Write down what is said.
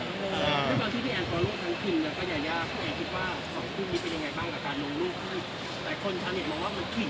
ตอนที่พี่แอร์รู้ทั้งคลิมและก็ยายาคุณแอร์คิดว่าของคู่นี้เป็นยังไงบ้างกับการลงรูป